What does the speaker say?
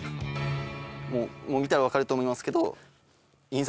もう見たらわかると思いますけど。